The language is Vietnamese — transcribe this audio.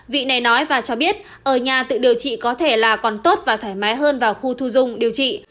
vị này nói và cho biết ở nhà tự điều trị có thể là còn tốt và thoải mái hơn vào khu thu dung điều trị